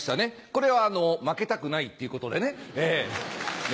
これはマケたくないっていうことでね。